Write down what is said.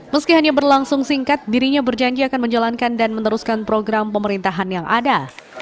meski hanya berlangsung singkat dirinya berjanji akan menjalankan dan meneruskan program pemerintahan yang ada